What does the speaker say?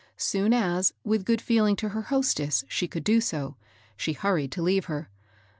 Soon as, with good feeling to her host ess, she could do so, she hurried to leave her.